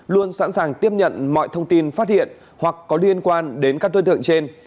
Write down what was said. luôn sẵn sàng tiếp nhận mọi thông tin phát hiện hoặc có liên quan đến các đối tượng trên